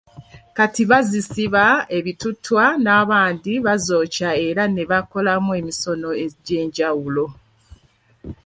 Kati bazisiba ebituttwa n'abandi bazokya era ne bakolamu emisono egy'enjwulo.